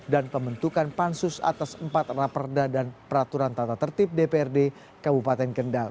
dan pembentukan pansus atas empat raporda dan peraturan tata tertib dprd ke bupati kendal